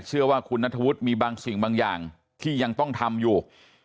เชื่อว่าคุณนัทธวุฒิมีบางสิ่งบางอย่างที่ยังต้องทำอยู่